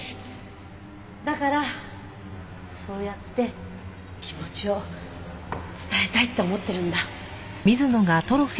だからそうやって気持ちを伝えたいって思ってるんだ。